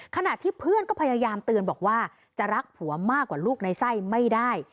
ขณะที่เพื่อนก็พยายามเตือนบอกว่าจะรักผัวมากกว่าลูกในไส้ไม่ได้